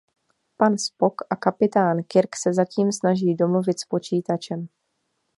Pan Spock a kapitán Kirk se zatím snaží domluvit s počítačem.